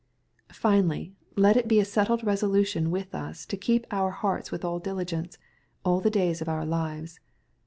Finally, let it be a settled resolution with us to " keep our hearts with all diligence,'* aU the days of our lives.